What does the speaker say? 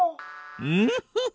ウッフフフ。